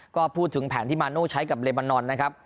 ก็พูดถึงแผนที่มาโน่ใช้กับเลบานอนนะครับ